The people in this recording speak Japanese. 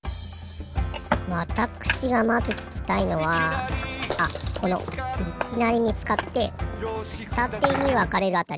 わたくしがまずききたいのはあこのいきなりみつかってふたてにわかれるあたり。